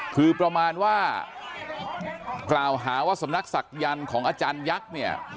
คือประมาณว่ากล่าวหาว่าสำนักศักยันต์ของอาจารยักษ์เนี่ย